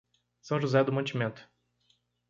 São José do Mantimento